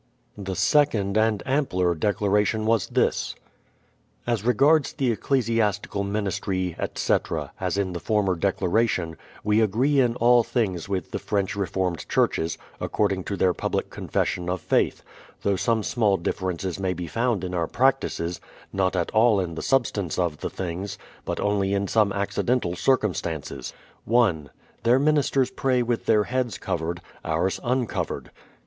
The second and ampler declaration was this: As regards the Ecclesiastical ministry, etc., as in the former 'declaration, we agree in all things with the French Reformed Churches, according to their public Confession of Faith; though some small differences may be found in our practices, — not at all in the substance of the things, but only in some accidental circum stances. 1. Their ministers pray with their heads covered ; ours uncovered.